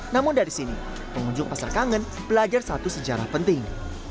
namun dari sini pengunjung pasar kangen belajar satu sejarah penting